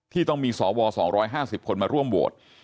ที่ต้องมีสว๒๕๐คนมาร่วมโหวต